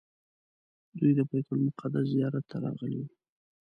دوی د بیت المقدس زیارت ته راغلي وو.